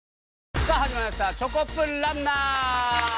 さあ始まりました『チョコプランナー』！